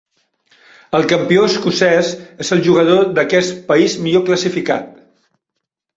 El campió escocès és el jugador d'aquest país millor classificat.